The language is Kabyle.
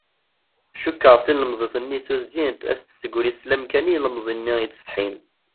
Cukkeɣ tilemẓit-nni tuzyint ad s-tessegri sslam kan i ilemẓi-nni yettsetḥin.